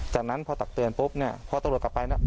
จากนั้นพอตักเตือนปุ๊บเนี่ยพอตำรวจกลับไปเนี่ย